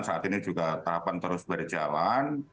saat ini juga tahapan terus berjalan